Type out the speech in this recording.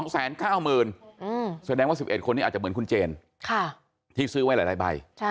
แสดงว่า๑๑คนนี้อาจจะเหมือนคุณเจนที่ซื้อไว้หลายใบ